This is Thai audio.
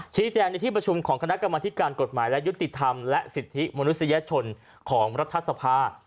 ชี้แจงในที่ประชุมของคณะกรรมธิการกฎหมายและยุติธรรมและสิทธิมนุษยชนของรัฐสภา